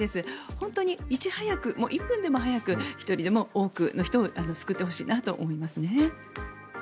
本当にいち早く１分でも早く１人でも多くの人を救ってほしいなと思いますね。